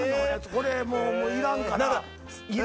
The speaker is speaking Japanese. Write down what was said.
これもういらんから。